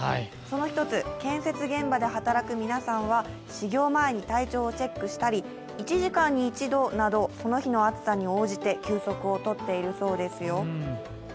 その一つ建設現場で働く皆さんは、始業前に体調をチェックしたり、１時間に一度など、その日の暑さに応じて休息を取っているそうですよ。